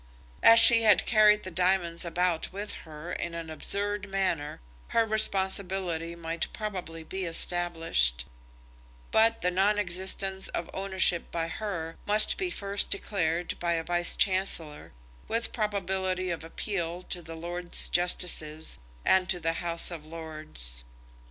As she had carried the diamonds about with her in an absurd manner, her responsibility might probably be established; but the non existence of ownership by her must be first declared by a Vice Chancellor, with probability of appeal to the Lords Justices and to the House of Lords.